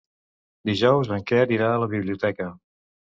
Dijous en Quer irà a la biblioteca.